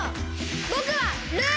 ぼくはルーナ！